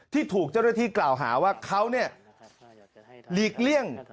ที่ถูกเจ้าหน้าที่กล่าวหาว่าเขาหลีกเลี่ยง